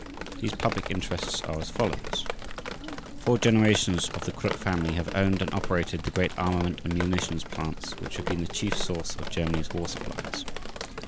These public interests are as follows: Four generations of the Krupp family have owned and operated the great armament and munitions plants which have been the chief source of Germany's war supplies.